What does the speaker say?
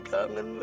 luki kangen bebe